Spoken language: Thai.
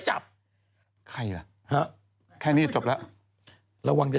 จากกระแสของละครกรุเปสันนิวาสนะฮะ